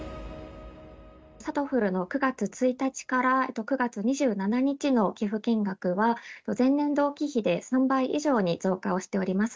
さとふるの９月１日から９月２７日の寄付金額は、前年同期比で３倍以上に増加をしております。